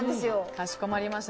かしこまりました。